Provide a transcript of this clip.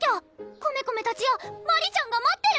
コメコメたちやマリちゃんが待ってる！